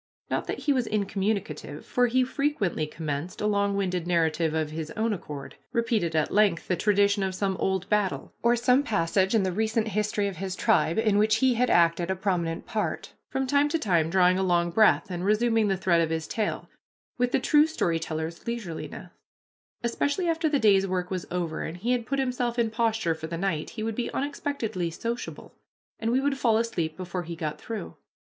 Not that he was incommunicative, for he frequently commenced a longwinded narrative of his own accord repeated at length the tradition of some old battle, or some passage in the recent history of his tribe in which he had acted a prominent part, from time to time drawing a long breath, and resuming the thread of his tale, with the true story teller's leisureliness. Especially after the day's work was over, and he had put himself in posture for the night, he would be unexpectedly sociable, and we would fall asleep before he got through.